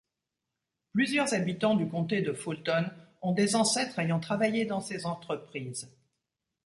Plusieurs habitants du comté de Fulton ont des ancêtres ayant travaillé dans ces entreprises.